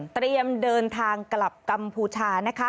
เตรียมเดินทางกลับกำพูชานะคะ